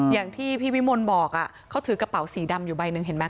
อย่างที่พี่วิมลบอกเขาถือกระเป๋าสีดำอยู่ใบหนึ่งเห็นไหม